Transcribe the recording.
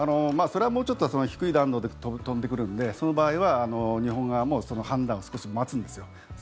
それはもうちょっと低い弾道で飛んでくるのでその場合は、日本側も判断を少し待つんですよ。